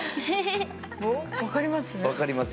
分かります？